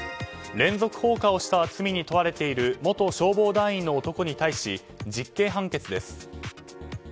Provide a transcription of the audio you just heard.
連続放火をした罪に問われている元消防団員の男に対し実刑判決です。